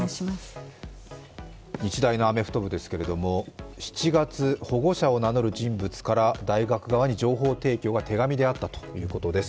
日大のアメフト部ですけど７月保護者を名乗る人物から大学側に情報提供が手紙であったということです。